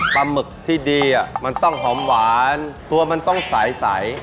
หมึกที่ดีมันต้องหอมหวานตัวมันต้องใส